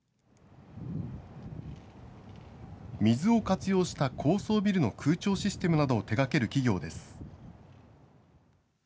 水を活用した高層ビルの空調システムなどを手がける企業です。